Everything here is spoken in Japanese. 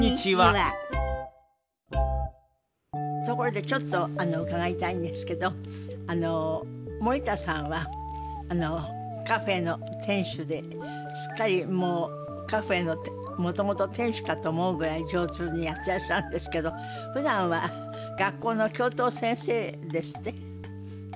ところでちょっと伺いたいんですけど森田さんはカフェの店主ですっかりもうカフェのもともと店主かと思うぐらい上手にやってらっしゃるんですけどふだんは学校の教頭先生ですって？